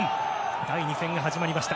第２戦が始まりました。